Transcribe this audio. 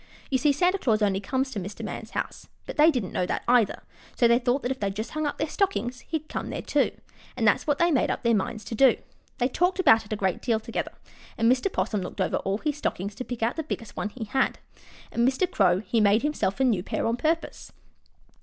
You see, Santa Claus only comes to Mr. Man's house, but they didn't know that, either, so they thought if they just hung up their stockings he'd come there, too, and that's what they made up their minds to do. They talked about it a great deal together, and Mr. 'Possum looked over all his stockings to pick out the biggest one he had, and Mr. Crow he made himself a new pair on purpose.